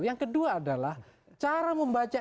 yang kedua adalah cara membaca